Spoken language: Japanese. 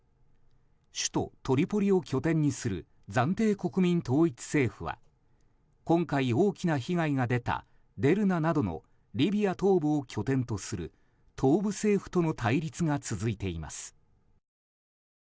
首都トリポリを拠点にする暫定国民統一政府は今回、大きな被害が出たデルナなどのリビア東部を拠点とする東部政府との対立が続いています。